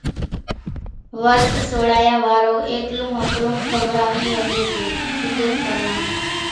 ورت سوڙايا وارو ايٽلون ۿڦرو کوراوي ۿڳي سي پُڄت پرماڻي،